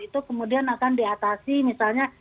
itu kemudian akan diatasi misalnya